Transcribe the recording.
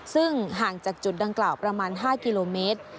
ซึ่งห่างจากจุดดังกล่าวประมาณ๕กิโลเมตร